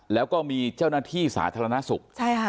แล้วก็มีเจ้าหน้าที่สาธารณสุข